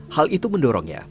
hal itu mendorongnya